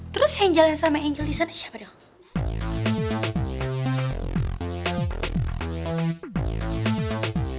terus angel yang sama angel disana siapa dong